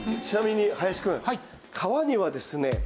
ちなみに林くん皮にはですね